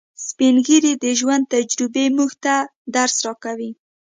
سپین ږیری د ژوند تجربې موږ ته درس راکوي